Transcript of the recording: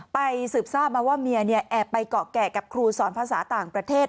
สืบทราบมาว่าเมียแอบไปเกาะแก่กับครูสอนภาษาต่างประเทศ